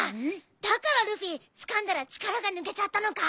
だからルフィつかんだら力が抜けちゃったのか。